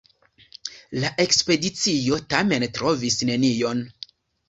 La ekspedicio tamen trovis nenion.